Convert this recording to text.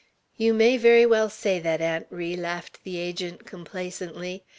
"You may very well say that, Aunt Ri," laughed the Agent, complacently.